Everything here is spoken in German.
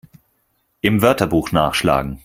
Im Wörterbuch nachschlagen!